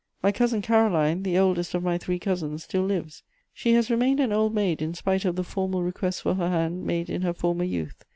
My cousin Caroline, the oldest of my three cousins, still lives. She has remained an old maid in spite of the formal requests for her hand made in her former youth.